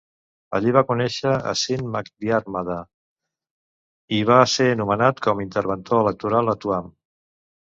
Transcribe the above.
Allí va conèixer a Sean MacDiarmada i va ser nomenat com interventor electoral a Tuam.